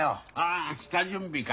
あ下準備か。